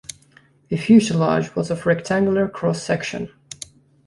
The fuselage was of rectangular cross-section.